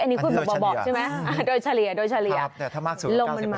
อันนี้คือบอกใช่ไหมโดยเฉลี่ยโดยเฉลี่ยลงมา๙๐ถูก